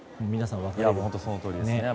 本当にそのとおりですね。